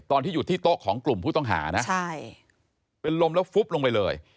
ตอนที่อยู่ที่โต๊ะของกลุ่มผู้ต้องหานะใช่เป็นลมแล้วฟุบลงไปเลย